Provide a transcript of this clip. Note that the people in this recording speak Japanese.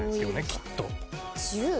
きっと。